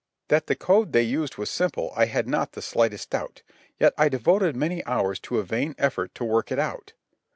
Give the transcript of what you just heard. That the code they used was simple I had not the slightest doubt, yet I devoted many hours to a vain effort to work it out.